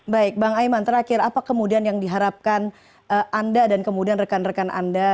baik bang aiman terakhir apa kemudian yang diharapkan anda dan kemudian rekan rekan anda